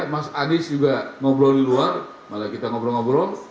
mas anies juga ngobrol di luar malah kita ngobrol ngobrol